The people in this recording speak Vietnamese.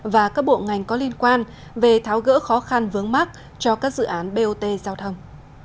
và các bộ ngành có liên quan về tháo gỡ khó khăn vướng mắt cho các dự án bot giao thông